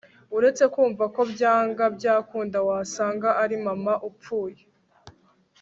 uretse kumva ko byanga byakunda wasanga ari mama upfuye